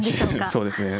そうですね。